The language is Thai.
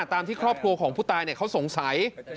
ตามที่ครอบครัวของผู้ตายเขาสงสัย